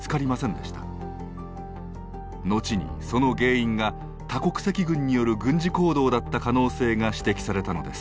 後にその原因が多国籍軍による軍事行動だった可能性が指摘されたのです。